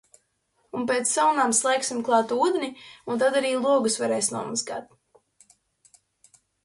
Un pēc salnām slēgsim klāt ūdeni un tad arī logus varēs nomazgāt.